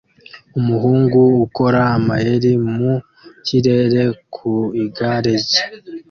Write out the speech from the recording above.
Umuhungu ukora amayeri mu kirere ku igare rye